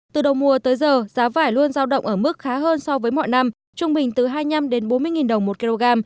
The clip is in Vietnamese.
từ đầu mùa tới giờ giá vải luôn giao động ở mức khá hơn so với mọi năm trung bình từ hai mươi năm bốn mươi đồng một kg